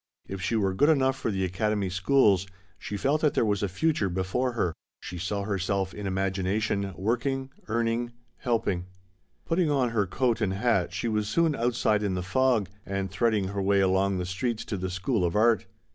If she were good enough for the Academy schools, she felt that there was a future before her. She 118 NEW HOPES. / 119 f saw herself, in imagination, working, earning, helping. Putting on her coat and hat she was soon outside in the fog, and threading her way along the streets to the School of Art.